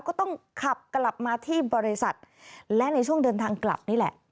ก็ต้องขับกลับมาที่บริษัทและในช่วงเดินทางกลับนี่แหละ